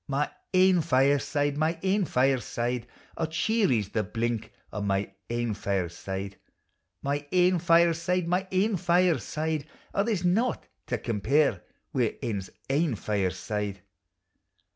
My ain fireside, iny ain fireside, O, cheery 's the blink o' my ain fireside; My ain fireside, my ain fireside, O, there 's naught to compare wi' ane's ain fireside.